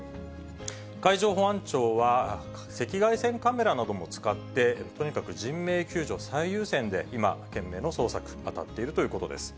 海上保安庁は、赤外線カメラなども使って、とにかく人命救助最優先で、今、懸命の捜索、当たっているということです。